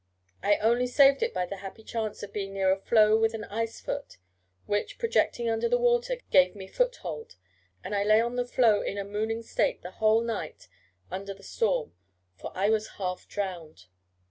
I only saved it by the happy chance of being near a floe with an ice foot, which, projecting under the water, gave me foot hold; and I lay on the floe in a mooning state the whole night under the storm, for I was half drowned.